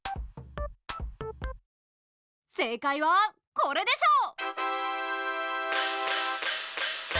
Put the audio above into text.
正解はこれでしょう。